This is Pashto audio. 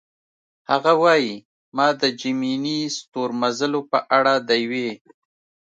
هغه وايي: "ما د جیمیني ستورمزلو په اړه د یوې.